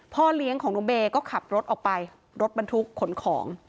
พ่อเลี้ยงของน้องเบย์ก็ขับรถออกไปรถบรรทุกขนของ